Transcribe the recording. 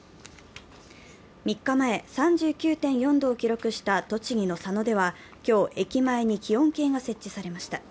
３日前、３９．４度を記録した栃木の佐野では、今日、駅前に気温計が設置されました。